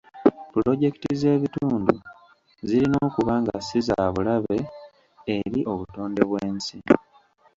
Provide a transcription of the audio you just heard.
Pulojekiti z'ebitundu zirina okuba nga si za bulabe eri obutonde bw'ensi.